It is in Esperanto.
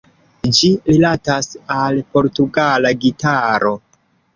Ĝi rilatas al Portugala gitaro.